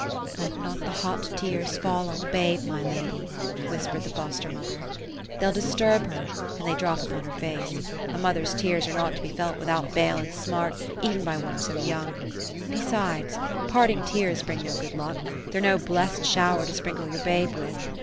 ''Let not the hot tears fall on the babe, ray lady ;" whispered the foster mother; ^^theyUl disturb her, an they drop upon her face; a mother's tears are not to be felt without bale and smart, even by one so young. Besides, parting tears bring no good luck ; they're no blessed shower to sprinkle your babe with.